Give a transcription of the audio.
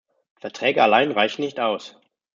Verträge allein reichen nicht aus.